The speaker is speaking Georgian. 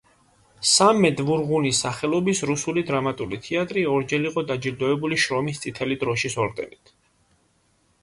სამედ ვურღუნის სახელობის რუსული დრამატიული თეატრი ორჯერ იყო დაჯილდოებული შრომის წითელი დროშის ორდენით.